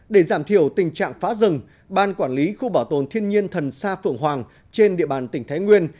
để giảm thiểu tình trạng phá rừng ban quản lý khu bảo tồn thiên nhiên thần sa phượng hoàng trên địa bàn tỉnh thái nguyên